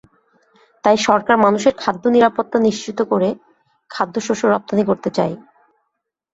তাই সরকার মানুষের খাদ্য নিরাপত্তা নিশ্চিত করে খাদ্যশস্য রপ্তানি করতে চায়।